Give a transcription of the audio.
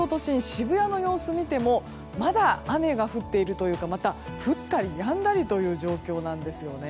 渋谷の様子を見てもまだ雨が降っているというか降ったりやんだりという状況なんですね。